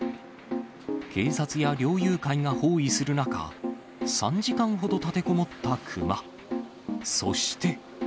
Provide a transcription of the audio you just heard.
警察や猟友会が包囲する中、３時間ほど立てこもったクマ。